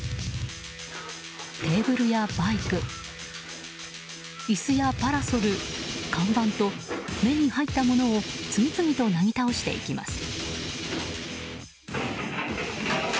テーブルやバイク椅子やパラソル、看板と目に入ったものを次々となぎ倒していきます。